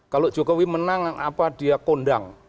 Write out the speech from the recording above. kalau jokowi menang apa dia kondang